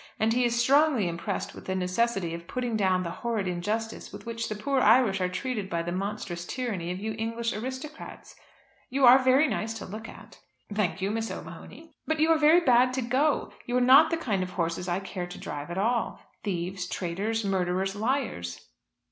And he is strongly impressed with the necessity of putting down the horrid injustice with which the poor Irish are treated by the monstrous tyranny of you English aristocrats. You are very nice to look at." "Thank you, Miss O'Mahony." "But you are very bad to go. You are not the kind of horses I care to drive at all. Thieves, traitors, murderers, liars."